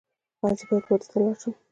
ایا زه واده ته لاړ شم؟